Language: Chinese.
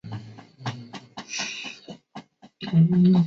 此缺点可藉热压成形式奈米压印或步进光感式奈米压印来改善之。